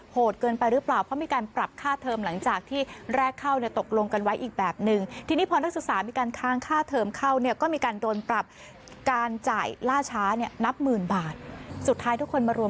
โหดเกินไปหรือเปล่าเพราะมีการปรับค่าเทอม